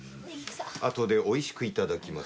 あとで美味しく頂きます。